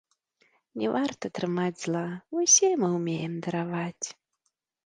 Не варта трымаць зла, усе мы ўмеем дараваць.